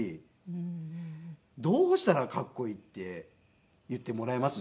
うーん。どうしたらかっこいいって言ってもらえます？